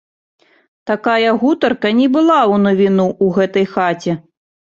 Такая гутарка не была ў навіну ў гэтай хаце.